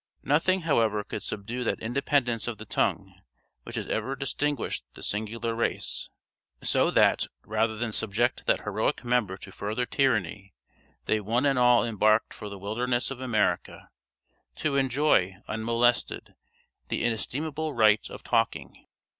Nothing, however, could subdue that independence of the tongue which has ever distinguished this singular race, so that, rather than subject that heroic member to further tyranny, they one and all embarked for the wilderness of America, to enjoy, unmolested, the inestimable right of talking.